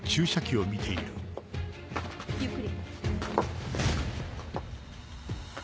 ゆっくり。